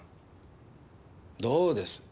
どうです？